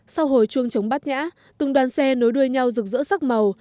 sau hồi chuông chống bát nhã từng đoàn xe nối đuôi nhau rực rỡ sắc màu